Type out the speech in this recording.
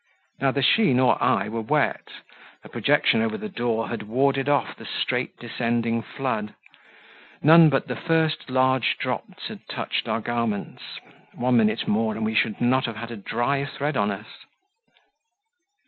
Neither she nor I were wet; a projection over the door had warded off the straight descending flood; none but the first, large drops had touched our garments; one minute more and we should not have had a dry thread on us.